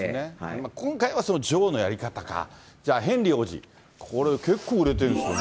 今回はその女王のやり方か、じゃあヘンリー王子、これ、結構売れてるんですよね。